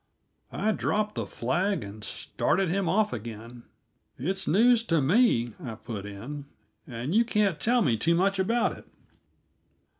I dropped the flag and started him off again. "It's news to me," I put in, "and you can't tell me too much about it."